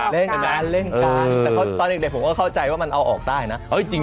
เล่นการแต่ตอนเด็กผมเข้าใจว่ามันเอาออกได้นะ